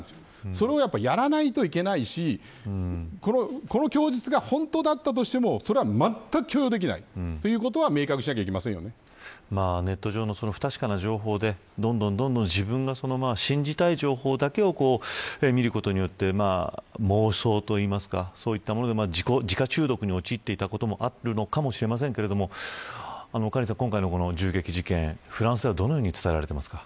それをやらないといけないしこの供述が本当だったとしてもそれは全く許容できないということは明確にネット上の不確かな情報でどんどん自分が信じたい情報だけを見ることによって妄想といいますかそういったもので自家中毒に陥っていたこともあるのかもしれませんが今回の銃撃事件、フランスではどのように伝えられていますか。